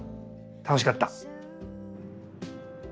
楽しかった。